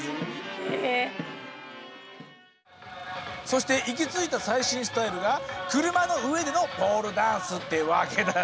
そして行き着いた最新スタイルが車の上でのポールダンスってわけだ。